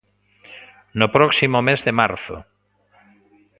No próximo mes de marzo.